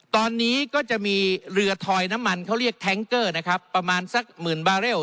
ตอนนี้ก็จะมีเรือทอยน้ำมันเขาเรียกนะครับประมาณสักหมื่นบาร์เร็ว